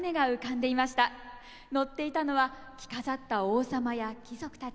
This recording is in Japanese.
乗っていたのは着飾った王様や貴族たち。